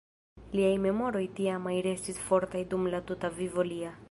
Liaj memoroj tiamaj restis fortaj dum la tuta vivo lia.